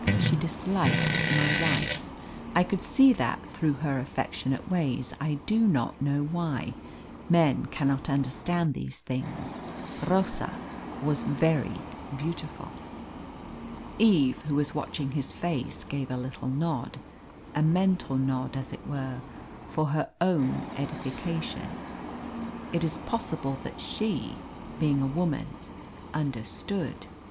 She disliked my wife. I could see that through her affectionate ways. I do not know why. Men cannot understand these things. Rosa was very beautiful." Eve, who was watching his face, gave a little nod a mental nod, as it were, for her own edification. It is possible that she, being a woman, understood.